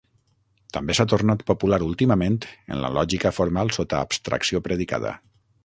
També s'ha tornat popular últimament en la lògica formal sota abstracció predicada.